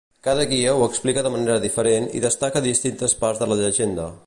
Cada guia ho explica de manera diferent i destaca distintes parts de la llegenda.